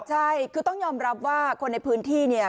ใช่คือต้องยอมรับว่าคนในพื้นที่เนี่ย